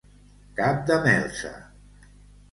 Cap de melsa.